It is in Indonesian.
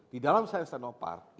di dalam science sino park